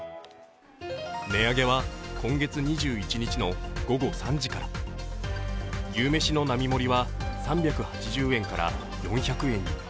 値上げは今月２１日の午後３時から牛めしの並盛りは３８０円から４００円に。